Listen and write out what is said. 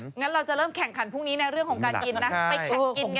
งั้นเราจะเริ่มแข่งขันพรุ่งนี้ในเรื่องของการกินนะไปแข่งกิน